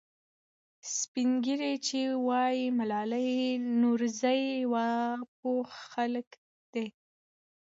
سپین ږیري چې وایي ملالۍ نورزۍ وه، پوه خلک دي.